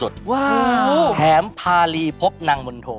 แถมพารีพบนางมนโท